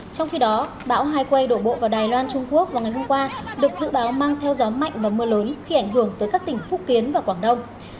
trong khi đó bão hai quay đổ bộ vào đài loan trung quốc vào ngày hôm qua được dự báo mang theo gió mạnh và mưa lớn khi ảnh hưởng tới các tỉnh phúc kiến và quảng đông